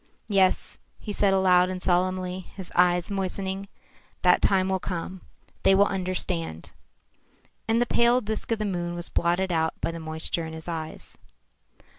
"Yes," he said aloud and solemnly, his eyes moistening, "that time will come. They will understand." And the pale disk of the moon was blotted out by the moisture in his eyes.